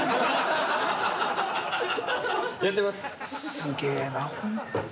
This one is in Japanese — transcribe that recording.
すげぇなホント。